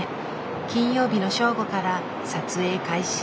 金曜日の正午から撮影開始。